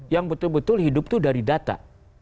yang betul betul hidup itu dari data